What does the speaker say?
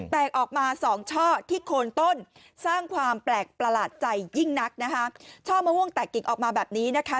แตกออกมาสองช่อที่โคนต้นสร้างความแปลกประหลาดใจยิ่งนักนะคะช่อมะม่วงแตกกิ่งออกมาแบบนี้นะคะ